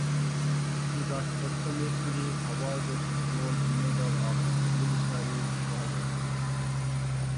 He was posthumously awarded the Gold Medal of Military Valor.